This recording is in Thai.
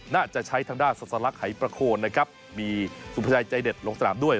น่าจะใช้ทางด้านสรรคหายประโคนนะครับมีสูงประชายใจเดชลงสนามด้วย